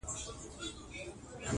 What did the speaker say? خریدار چي سوم د اوښکو دُر دانه سوم,